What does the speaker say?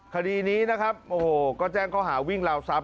คดีนี้นะครับโอ้โหก็แจ้งเขาหาวิ่งราวทรัพย